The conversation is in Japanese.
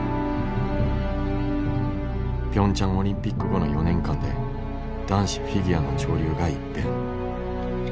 ピョンチャンオリンピック後の４年間で男子フィギュアの潮流が一変。